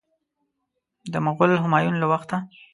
د مغول همایون له وخته.